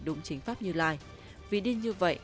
đúng chính pháp như lai vì đi như vậy